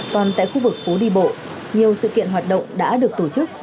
còn tại khu vực phố đi bộ nhiều sự kiện hoạt động đã được tổ chức